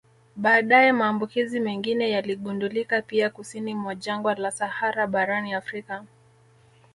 Baadaye maambukizi mengine yaligundulika pia kusini mwa jangwa la Sahara barani Afrika